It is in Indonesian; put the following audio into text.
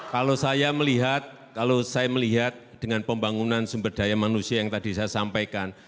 kalau saya melihat kalau saya melihat dengan pembangunan sumber daya manusia yang tadi saya sampaikan